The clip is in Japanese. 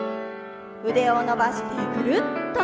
腕を伸ばして、ぐるっと。